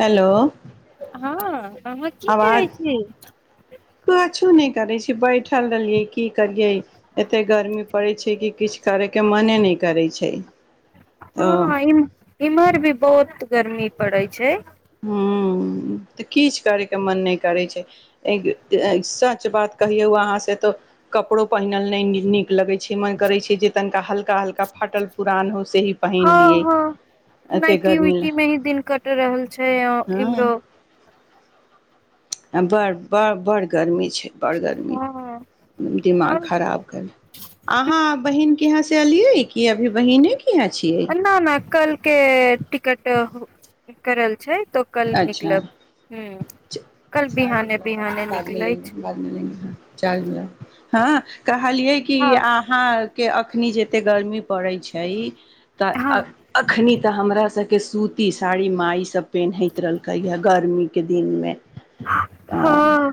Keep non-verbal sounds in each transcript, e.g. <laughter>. hello हँ अहां की करै छी कुछो नहि करै छै बैठल रहलियै की करियै एतेक गर्मी पड़ै छै कि किछु करयके मने नहि करै छै तऽ हँ इ इम्हर भी बहुत गर्मी पड़ै छै हूँ तऽ किछु करयके मन नहि करैत छै सच बात कहियौ अहाँसँ तऽ कपड़ो पहिनल नहि नीक लगैत छै मन करैत छै जे तनिका हल्का हल्का हल्का फाटल पुरान हो से ही पहिन हँ लियै हँ एते गर्मी ल इम्रो <unintelligible> आ बड़ ब बड़ गर्मी छई बर गर्मी दिमाग हँ खराब कईल आहा के बहिन यहाँ से अलिय है की अभी बहिने के यहाँ छियै अना न कालके टिकेट करल छै तो कल निकलब अच्छाच हूँ कल चार्ज बिहाने में लगा बिहाने बाद में निकलै छै लेंगे बाद में लेंगे चार्ज में लगा हँ कहलियै कि हँ अहाँके अखनी जतेक गर्मी पड़ैत छै त हँ अखनि तऽ हमरा सबके सूती साड़ी माइ सब पेनहाइत रहलकै हा गर्मी के दिन मे हँ हं आ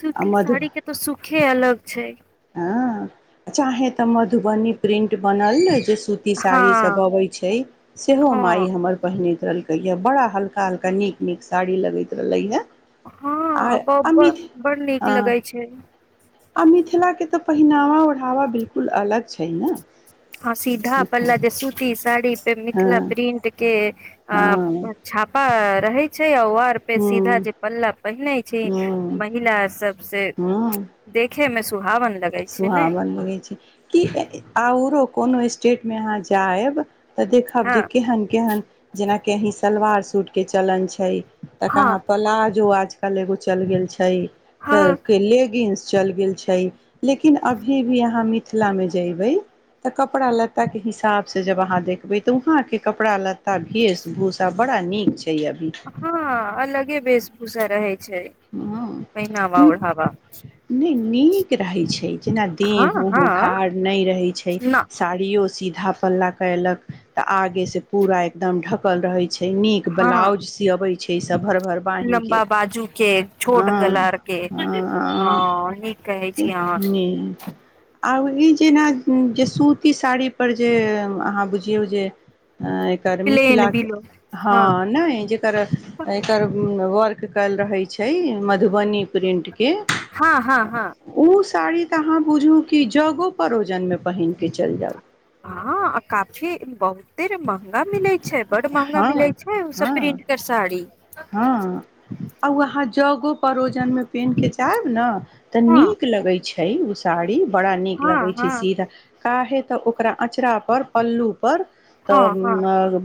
सुूती मधु साड़ी के त सुखे अलग छै चाहे त मधुबनी प्रिंट बनल सूती हँ साड़ी सब अबे छै सेहो मई हँ हमर पहिने छै ललके ये बड़ा हल्का हल्का नीक नीक साड़ी लगेैत रहले ये हँ ब ब बड़ नीक अ लगै छै आ मिथिला तऽ पहिनावा ओढ़ावा बिल्कुल अलग छै ने हँ सीधा पल्ला मिथिला जे सूती साड़ी मिथिला हँ प्रिंट के हे अ हँ छापा रहै छै अउर पे सीधा हूँ जे पल्लव पहिनै छै हूँ महिला सब से हूँ देखे मे सुहावन लगै छै ने सुहावन लगै छै कीहे ये आरो कोनो स्टेट मे अहाँ जाएब तऽ देखब हँ जे केहन केहन जेना की आंही सब सलवार सूटके चलन छै तऽ हँ कहाँ प्लाजो आज कल एगो चल गेल छै तऽ हँ केले गींस चल गेल छै लेकिन अभी भी अहाँ मिख मिथिला में जैबे ते कपड़ा लत्ता के हिसाब से जब अहाँ देखबे ते उहां के कपड़ा लत्ता वेश भूषा बड़ा नीक छै अभी हँ अलगे वेशभूषा रहै छै हां हु पहिनावा ओढ़ावा हुम् नीक रहै छै जेना हँ देह उह हँ उघार नहि रहे छै न साड़ियो सीध धा पल्ला कलक ते आगे से पूरा एकदम ढकल रहे छै नीक हँ ब्लाउज सियाबै छै छ त भर भर बाहि लम्बा के बाजू के छोट गला के हँ ह नीक कहै छी अहाँ अबही जेना जे सूती साड़ीपर जे अहाँ बुझियौ जे एकर प्लेन मिथिला के बिलो हँ हाँ नहि एक एकर वर्क कल रहे छै छै मधुबनी प्रिंट के हँ हँ हँ ओ सब साड़ी तऽ अहाँ बुझू कि जगो परोजनमे पहिनके चलि जाउ हँ आ काफी बहुत तेर महंगा मिलैत छै बड महँंगा मिलै हँ छै ओ सब हँ प्रिंट के साड़ी हँ आ ओ अहाँ जगो परोजनमे पहिनके चाहब ने तऽ हँ नीक लगै छै तय ओ साड़ी बड़ा नीक हँ लगै छै हँ सीधा काहे तऽ ओकरा अँचरा पर पल्लू पर त हँ हँ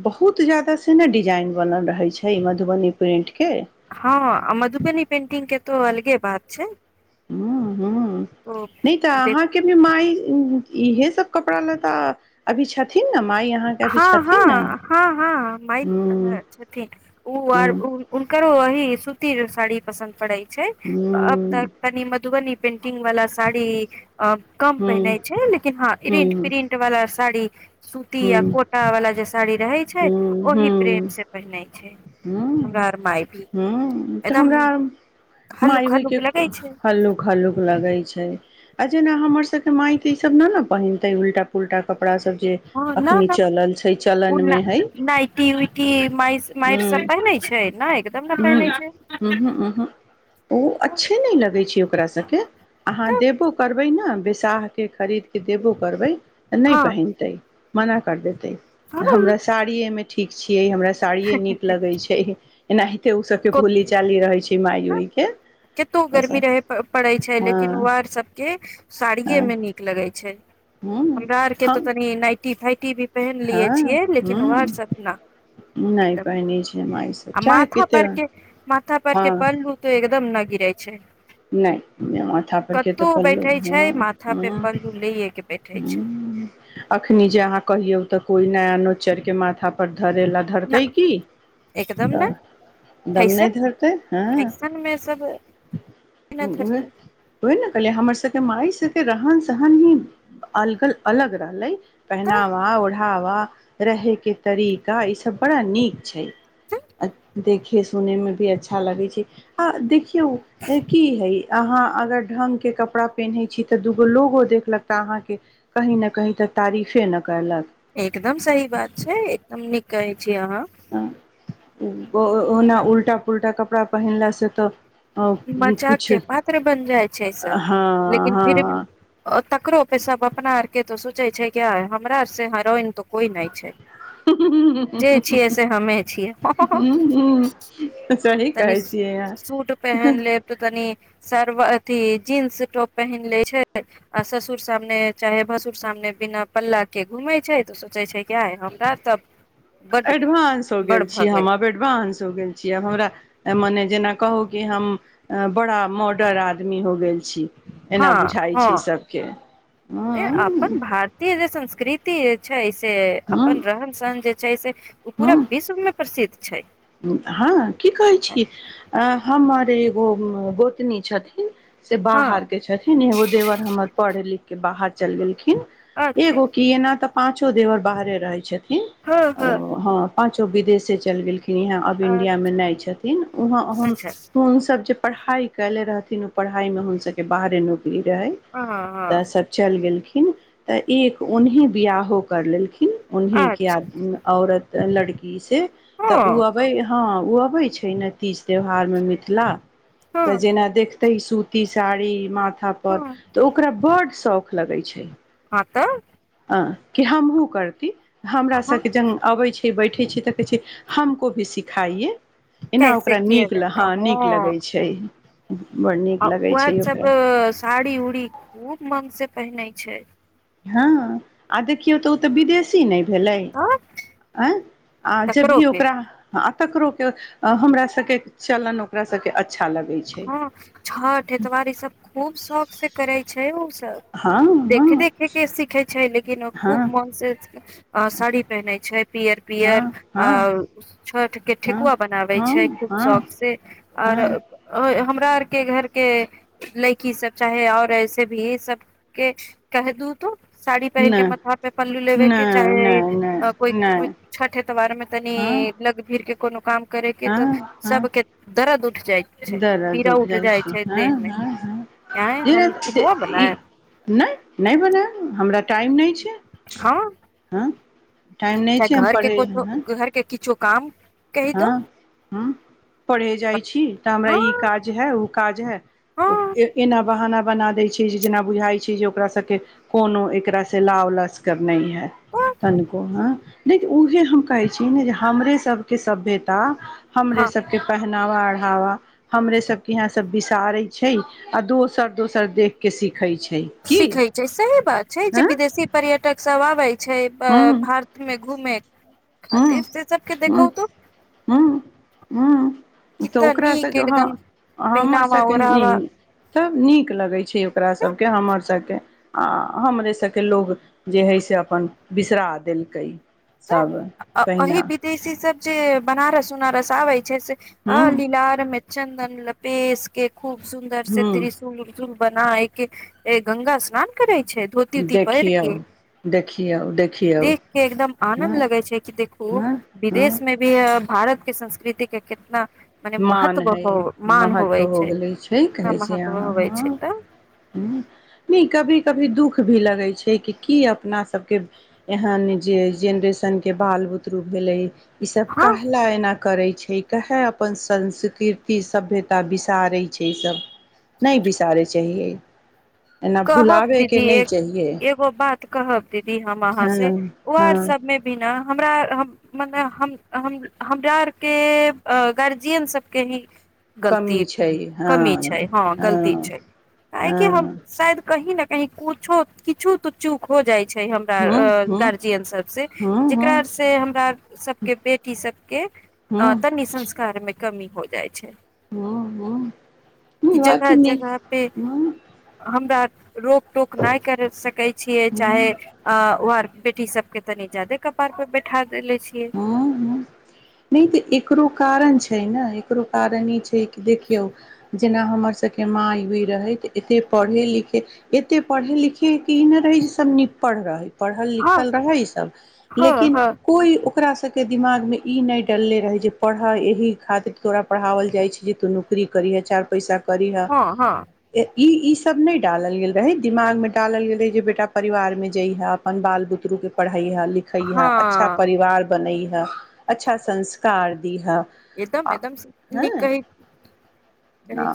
बहुत जादा से ने डिजाइन बनल रहे छै मधुबनी प्रिंट के हँ मधुबनी पेंटिंग के तो अलगे बात छै हँ ह तो नहि तऽ देख अहाँके भी माय इहे सब कपड़ा लता अभी छथिन न हँ हँ हँ हँ माय हूँ छथिन ओ आर हूँ हुनकरो अह सुतिर सारी पसन करै छै अब तक कनी मधुबनी पंट टिंग वाला साड़ी अ कम पहिनेय छै लेकिन हँ इरींट प्रिंट वला साड़ी सूती हँ <unintelligible> साड़ी रहै छै ओहि प्रेम से पहिनै छै हमरा आरम ह तऽ हमरा हल्लुक मायबहिके हल्लुक लगै छै हल्लूक हल्लुक लगैत छै आ जेना हमर सभके मायके ईसभ न ने पहिनते उल्टा पुलटा कपड़ा सब जे हँ नहि अखनी न चलल छै ओ चलन मे हइ नइटी उइटी माइर माइर सब पहिने छै ने एकदम न ह पहिनै छै ह्म हू ह हू ओ अच्छे नहि लगै छै ओकरा सबके अहाँ तऽ देबो करब करबै ने बैसा के खरीद के देबो करबै नहि हँ पहिनतै मना कर दे हँ हमरा सारिये मे ठीक छियै हमरा साड़िये नीक लगे छै एना ओ सब के भोली चाली रहै छै केतो गर्मी हँ रहै पड़ैत छै लेकिन आर सभके हँ साड़ियेमे नीक लगैत छै ह हमरा आरके तऽ हम तनि नाइटी फाइव टी वी पहिन लिये हँ छियै ह लेकिन वर सब न नहि एकदम पहिनै छै माय सभ आ चाहे माथा कते पर के माथा पर के हँ पल्लू तऽ एकदम न गिरै छै नहि माथा पर के तऽ कतौ पल बैठे छै माथा ह पे ह पल्लू लेे के बैठे छै अखनी जे अहाँ कहियौ तऽ कोइ नया चर के माथा पर धरेला न धरतै कि एकदम त ने दम नै फैशन धरतै आ फैशन मे सब ने धरते ओहीना कहलियै हमर सबके मााय सबके रहन सहन ही अलगल अलग रहले तऽ पहनावा ओढ़ावा रहे के तरीका ई सब बड़ा नीक छै देखे सुने मे भी अच्छा लगे छै आ देख एक <unintelligible> कि हे अहाँ अगर ढंग के कपड़ा पहिनेे छी तऽ दूगो लोगो देखलक तऽ अहाँ के कहीं न कहीं त तारीफे न केलक एकदम सही बात छै एकदम नीक कहै छी अहाँ ओ ओ ओना उल्टा पुल्टा कपड़ा पहिनला से तऽ मजाक के किछु पात्र बन जाइ छै सब हँ लेकिन फिर भी हँ तकरो पे सब अपना आर के तऽ सोचे छै कि हमरा आर से हेरोइन तऽ कोई नहि छै जे छियै से हमे हुँ छियै हुँ तनी सूट पेहेन लेब तऽ तनी सर्व अथी जींस टॉप पहिन ले छै आ ससुर सामने चाहे भसुर सामने बिना पल्ला के घूमे छै तऽ सोचे छै क्या है हमरा तब बड एडवांस हो बड़ गेल छीयै भगै हम आब एडवांस हो गेल छीयै आब हमरा मने जेना कहू कि हम बड़ा मोडर आदमी हो गेल छी एना हँ बुझाइ हँ छै सभके ह ए अपन भारतीय जे संस्कृति छै से ह अपन रहन सहन जे छै से उ पूरा विश्व में प्रसिद्ध छै छै हाँ की कहै छिय ऐं हमर एगो गोतनी छथिन से हँ बाहर के छथिन एगो देवर हमर पढ़े लिख के बाहर चल गैलखिन अच्छा एगो की ऐना त पाँचो देवर बाहरे रहैत छथि कि हँ हँ अरो ह पाँचो विदेश से चल गेलखिन इहां अब इंडिया अच्छा मे नयि छथिन अच्छा पढ़ाई कयले रहथिन ओ पढ़ाइमे हुंसके बाहरे नौक रहै हँ तऽ हँ सब चल गेलखिन तऽ एक उन्हि बियाहो कर लेलखिन लेकिन उनहिके अच्छा आदमी औरत लड़की से तऽ उ हँ अबै हाँ ओ अबैत छै ने तीज त्यौहारमे मिथिला तऽ हँ जेना देख त ई सूती साड़ी मा था पर हँ तऽ ओकरा बड शौख लगै छै हँ तऽ अ कि हमहू करती हमरा हँ सबके जन अबै छै बैठे छी तऽ कहै छै हमको भी सिखाइए एना कैसे ओकरा किया नीक हाँ जाता नीक हँ लगै छै बड़ नीक आ ओ लगै छै उहेसब ओकरा साड़ी उड़ी खूब मन से कहि नहि छै हाँ आ देखियौ तऽ ओ तऽ विदेशी नहि भेलै तऽ अ आ ज तकरो भी पे ओकरा तकरो के हमरा सब के चलन ओकरा सब के अच्छा लगै छै हँ छठ एतवार ई सब खूब शौक से करै छै छै उ <unintelligible> हँ देखे हँ देखे के सीखे छै लेकिन हँ खूब मन से साड़ी पहिनेै छै पियर हँ पियर आ हँ छठ के हँ ठेकुआ बनाबै हँ छै खूब हँ शौख से आर हँ हमरा आरके घर के लइकी सब चाहे और ऐसे भी ई सबके कह दू तू साड़ी पहिन के नहि माथबा पे पल्लू लेबे के नहि चाहे नहि कोइ नहि नहि छठ एतबार मे हँ तनी लग भीर के कोनो काम करे के तऽ हँ हँ सबके दरद उठ जाय छै दरद पीड़ा उठ जायि जाइ छै देह मे आंय ए हम ठेकुआ ए बनायब नहि बनायब हमरा टाइम नहि छै हँ ह टाइम नहि छै हम पढ़ै हे जो काम कहि दो हँ ह पढ़े जाइ छी तऽ हमरा हँ ई काज है काज है हँ एना बहाना बना दै छी जे जेना बुझाइ छै जे ओकरा सबके कोनो एकरा से लाव लस्कर नहि है हँ तनिको ह नहि उहे हम कहै छी ने जे हमरे सब के सभ्यता हमरे हँ सबके पेहने ला वा अढ़ावा हमरे सब के यहा सब बिसारे छै आ दोसर दोसर देख के सीख सिखे छै सही बात छै जे हँ विदेशी पर्यटक सब आबै छै भारतमे घुमेैत हँ हँ हँ हँ तऽ कितना ओकरा नीक हं एकदम हमर पहिनावा सभके ओढ़ावा तब नीक लगैत छै ओकरा सभके हमर सभके आ हमरे सभके लोग जे हइ से अपन बिसरा देलकै सब अही तहिना विदेशी सबजी बनारस उनारस आबै जे से ह हूं लीलाार मे चन्दन लपेस के खूब सुन्दर से हूं त्रिशूल उशूल बनाैके ए गंगा स्नान करै छै धोती उती पहिर देखियौ के देखियौ देखियौ देख के एकदम आनंद हँ लगे छै कि देखू हँ हँ विदेश मे भी भारत के संस्कृति के केतना मान है महत्व हो गेले छै कितना कहै छै महत्व होवे अहाँ छै तऽ न कभी कभी दुःख दुख भी लगै छै कि की अपना सबके एहन जे जेनरेशनके बाल बुतरू भेलै ई सब हँ कहला ए न करै छै कहे अपन संस्कृर्ति सभ्यता बिसारै छै ई सभ नहि बिसारै चाहियै एना कहब भुलाबयके दीदी नहि एक चाहियै एगो बात कहब दीदी हम अहाँ से व आर हँ सबमें भी ना हमरा मने हम हमरा आर के गार्जियन सबके ही कमी गलती छै हँ कमी छै हँ हँ सायद कही ने कही कुछो किछु तऽ चूक हो जाय छै छै हमरा हँ हँ हँ गार्जियन सब से हँ जेकरा से हमरा सबके बेटी सबके अ हँ तनी संस्कार मे कमी हो जाइ छै हँ हँ कि बात जगह नहि जगह पे हॅं हमरा रोकटोक नहि कर सकैत छियै हँ चाहे अ बेटी सबके तनी जादे कपार बैठा देले छियै ह ह नहि तऽ एकरो कारण छै ने ककरो कारण ई छै कि देखियौ जेना हमर सबके माँई उईी रहै एते पढ़े लिखे एते पढ़े लिखैके ई नहि रहै जे सभ नि पढ़ रहै पढ़ल हँ लिखल रहै ई सब हँ लेकिन हँ कोइ ओकरा सबके दिमागमे ई नहि डरले रहै जे पढ़ एहि खातिर तोरा पढ़ाओल जाइ छै जे तू नौकरी करिहे चारि पैसा करह हँ हँ ए इ इ सब न डालल गेल रहे दिमाग में डालल गेल रहे जे बेटा परिवार में जई हा अपन बाल बुतरु के पढ़ा पढैय लिखै है अच्छा हँ परिवार बनै है अच्छा संस्कार दीहे एकदम आ एकदम नै हँ कहै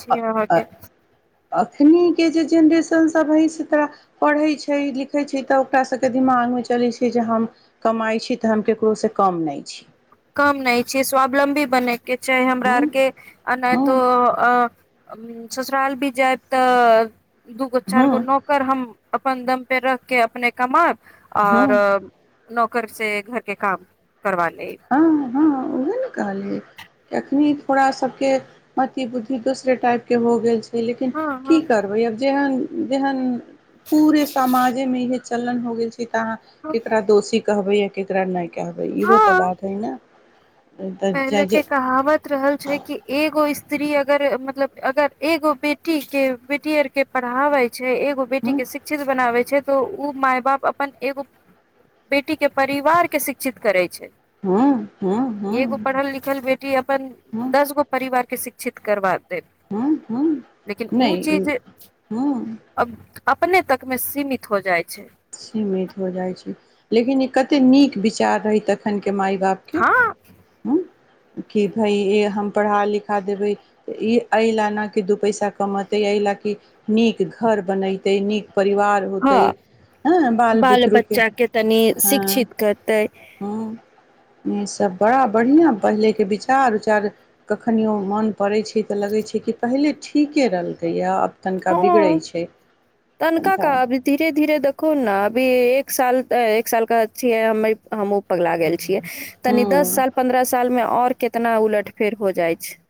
छैये आहाँ के एखनिके जे जेनरेशनसभ हइ से तोरा पढ़ैत छै लिखैत छै तऽ ओकास सभके दिमागमे चलैत छै जे हम कमाइत छी तऽ हम ककरोसँ कम नहि छी कम नहि छय स्वावलम्बी बने के ने चाहै हमरा हूँ आरके नहि हूँ तो ससुराल भी जायब तऽ दूगो चारि हूँ गो नौकर हम अपन दम पे रख के अपने कमा हूँ आओर नौकर से घरके काम करवा लेब ह उऊहे ने कहलिय अखनी थोड़ा सब के मति बुद्धि दोसरे टाइप के हो गेल छै लेकिन हँ की हँ करबै आब जेहन जेहन पूरे समाजमे यै चलन हो गेल छै इत कहाॅं हँ केकरा दोषी कहबे या केकरा नहि कहबे इहो तऽ हँ बात छैना पहिले के कहावत रहल छै कि एगो स्त्री अगर मतलब अगर एगो बेटी के बेटी आर के पढ़ाबैय छै एगो बेटी हँ के शिक्षित बनाबे छै त ओ माय बाप अपन एगो बेटी टी के परिवारके शिक्षित करै छै हँ हँ हँ एगो पढ़ल लिखल बेटी अपन हँ दस गो परिवार के शिक्ष क्षित करबाक हँ ह नहि चीज ह अब अपने तक में सीमित हो जाइ छै सीमित हो जाइत छै लेकिन ई कतेक नीक विचार रही तखन के माय बापके हँ ह कि भइ हम पढ़ा लिखा देबै ई एहि लेल नहि कि दू पैसा कमतै एहि लेल कि नीक घर बनतै नीक परिवार होतैय हँ बाल बच्चाके तनी हँ शिक्षित करतैय सभ बड़ा बढ़ियां पहिलेके विचार उचार कखनियो मन पड़ै छै तऽ लगैत छै कि पहिले ठीके रहलकैए तनिका बिगड़ै हँ छै तनका का तनिका अभी धीरे धीरे कोन ने वे अभी एक साल एक साल के छीयै हमहुँ पगला गेल छिय तनी दस हँ साल पंद्रह साल मे आओर केतना उलट फेर हो जाइ छै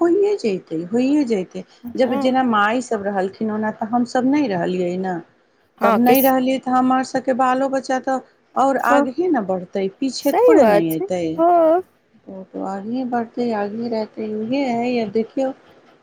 होइए जेते होइए जेतै जब हँ जेना माइ सभ रहलखिन ओना तऽ हमसभ नहि रहलियै नय तब हँ नहि किस रहलिय थ हमर स सबके बालो बच्चा तऽ ओर हँ आगहे ने बढ़तै पीछे सही थोड़े बात नहि छै एतैय हँ आगही बढ़तै आगही रहैतै इहे है आ देखियौ